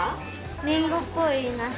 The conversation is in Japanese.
リンゴっぽいナシ。